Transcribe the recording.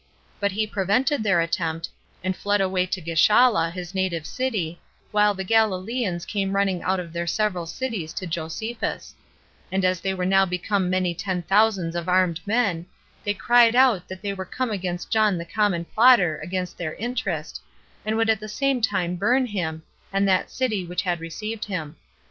But he prevented their attempt, and fled away to Gischala, his native city, while the Galileans came running out of their several cities to Josephus; and as they were now become many ten thousands of armed men, they cried out, that they were come against John the common plotter against their interest, and would at the same time burn him, and that city which had received him.